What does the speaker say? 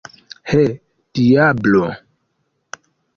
He, diablo!